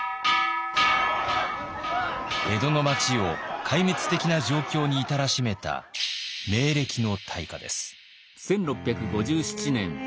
江戸の町を壊滅的な状況に至らしめた明暦の大火です。